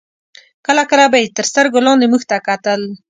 کله کله به یې تر سترګو لاندې موږ ته کتل.